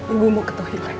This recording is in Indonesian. ibu mau ke tohil